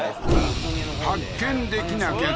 発見できなきゃ